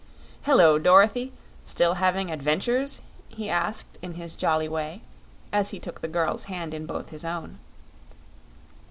"Hello, Dorothy; still having adventures?" he asked in his jolly way, as he took the girl's hand in both his own.